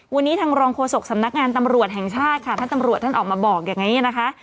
วันนี้ทางรองโฆษกสำนักงานตำรวจแห่งชาติค่ะท่านตำรวจท่านออกมาบอกอย่างนี้นะคะ